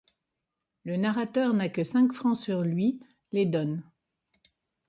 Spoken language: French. Le narrateur n'a que cinq francs sur lui, les donne.